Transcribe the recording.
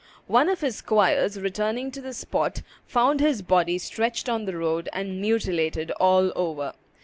One of his squires, returning to the spot, found his body stretched on the road, and mutilated all over.